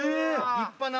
立派な！